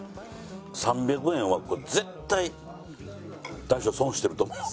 ３００円はこれ絶対大将損してると思います。